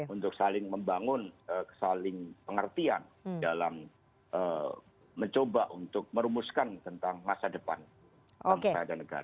untuk saling membangun saling pengertian dalam mencoba untuk merumuskan tentang masa depan